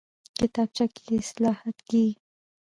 کتابچه کې اصلاحات کېږي